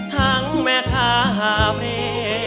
ทั้งแม่คาพรี